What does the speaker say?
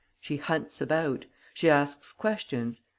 She hunts about. She asks questions.